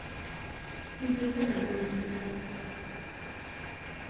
Yuba d aɛeggun inefɛen.